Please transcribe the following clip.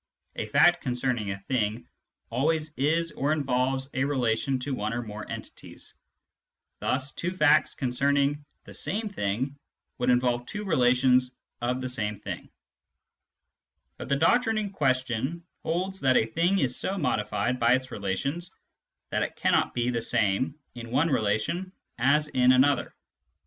A fact concerning a thing always is or involves a relation to one or more entities ; thus two facts concerning the same thing would involve two relations of the same thing. But the doctrine in question holds that a thing is so modified by its relations that it cannot be the same Digitized by Google THE THEORY OF CONTINUITY 151 in one relation as in another.